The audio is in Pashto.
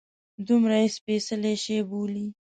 دومره یې سپیڅلی شي بولي.